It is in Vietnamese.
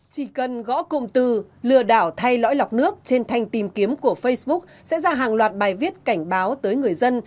chỉ cần gõ cụm từ lừa đảo thay lõi lọc nước trên thanh tìm kiếm của facebook sẽ ra hàng loạt bài viết cảnh báo tới người dân